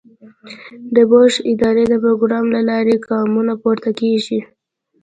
د بوش ادارې د پروګرام له لارې ګامونه پورته کړل.